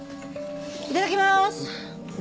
いただきまーす！